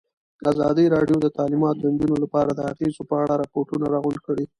ازادي راډیو د تعلیمات د نجونو لپاره د اغېزو په اړه ریپوټونه راغونډ کړي.